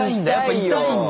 痛いんだ！